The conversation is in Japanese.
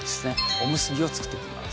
おむすびを作っていきます